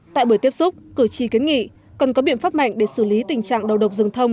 tại buổi tiếp xúc cử tri kiến nghị cần có biện pháp mạnh để xử lý tình trạng đầu độc rừng thông